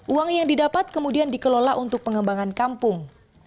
uang yang didapat kemudian dikelola untuk pengembangan kampung